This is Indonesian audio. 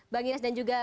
bang inas dan juga